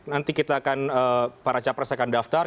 nanti kita akan para capres akan daftar